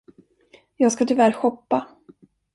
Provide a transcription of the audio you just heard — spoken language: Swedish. Jag ska tyvärr shoppa.